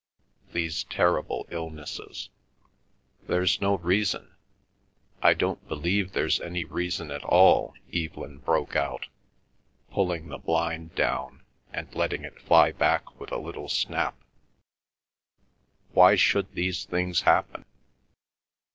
These terrible illnesses—" "There's no reason—I don't believe there's any reason at all!" Evelyn broke out, pulling the blind down and letting it fly back with a little snap. "Why should these things happen?